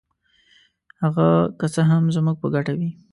هغه که څه هم زموږ په ګټه وي.